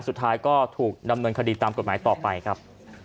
สุดท้ายก็ถูกดำเนินคดีตามกฎหมายต่อไปครับ